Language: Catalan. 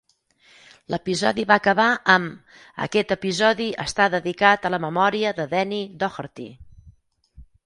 L'episodi va acabar amb "Aquest episodi està dedicat a la memòria de Denny Doherty".